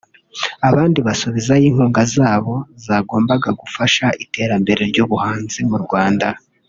abandi basubizayo inkunga zabo zagombaga gufasha iterambere ry’Ubuhanzi mu Rwanda